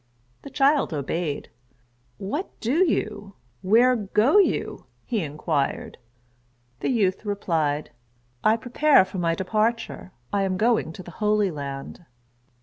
The child obeyed: "What do you? where go you?" he inquired. The youth replied, "I prepare for my departure; I am going to the Holy Land."